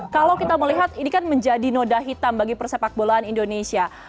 kalau kita melihat ini kan menjadi noda hitam bagi persepak bolaan indonesia